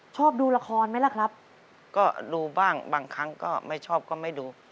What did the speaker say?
ชอบดูละครไหมล่ะครับก็ดูบ้างบางครั้งก็ไม่ชอบก็ไม่ดู